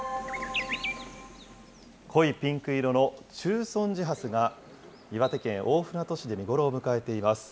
濃いピンク色の中尊寺ハスが、岩手県大船渡市で見頃を迎えています。